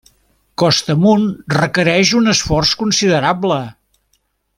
Costa amunt requereix un esforç considerable.